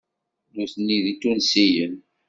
Nutni d Itunsiyen.